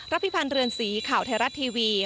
พิพันธ์เรือนสีข่าวไทยรัฐทีวี